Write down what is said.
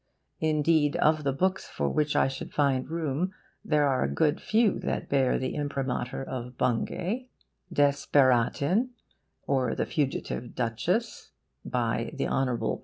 Indeed, of the books for which I should find room there are a good few that bear the imprimatur of Bungay. DESPERATIN, OR THE FUGITIVE DUCHESS, by THE HON.